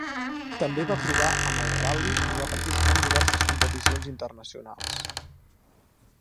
També va provar amb el ral·li i va participar en diverses competicions internacionals.